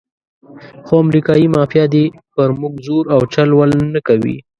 خو امریکایي مافیا دې پر موږ زور او چل ول نه کوي.